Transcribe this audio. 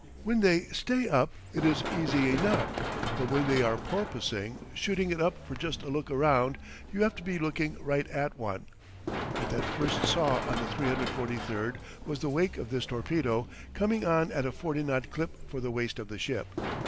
When they stay up it is easy enough, but when they are porpoising, shooting it up for just a look around, you have to be looking right at one. What they first saw on the 343 was the wake of this torpedo, coming on at a forty knot clip for the waist of the ship.